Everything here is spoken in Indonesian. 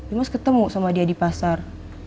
imas ketemu sama dia di pasar